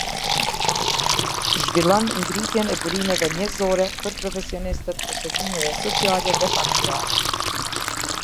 Zhvillon ngritjen e burimeve njerëzore për profesionistët e shërbimeve sociale dhe familjare.